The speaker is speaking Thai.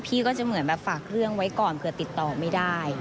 พี่ก็จะเหมือนแบบฝากเรื่องไว้ก่อนเผื่อติดต่อไม่ได้